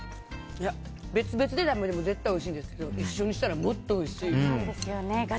別々で食べても絶対おいしいですけど一緒にしたらもっとおいしい！